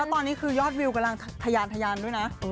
แล้วตอนนี้คือยอดวิวกำลังทะยานด้วยนะ